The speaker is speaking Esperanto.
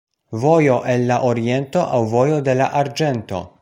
Vojo el la Oriento aŭ vojo de la arĝento.